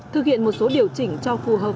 thực hiện một số điều chỉnh cho phù hợp